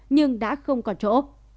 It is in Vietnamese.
nhưng đã không còn chỗ